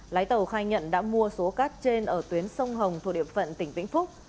lái tàu khai nhận đã mua số cát trên ở tuyến sông hồng thuộc địa phận tỉnh vĩnh phúc